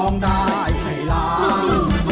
ร้องได้ให้ร้อง